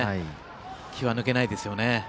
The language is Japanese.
気は抜けないですよね。